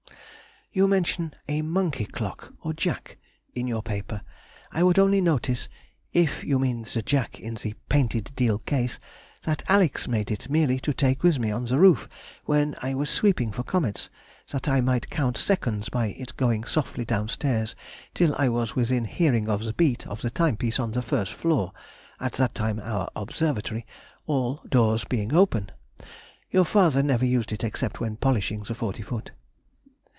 _] You mention a monkey clock, or jack, in your paper. I would only notice (if you mean the jack in the painted deal case) that Alex made it merely to take with me on the roof when I was sweeping for comets, that I might count seconds by it going softly downstairs till I was within hearing of the beat of the timepiece on the first floor (at that time our observatory) all doors being open. Your father never used it except when polishing the forty foot....